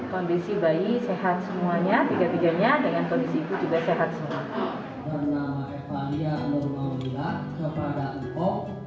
kondisi bayi sehat semuanya tiga tiganya dengan kondisi ibu juga sehat semua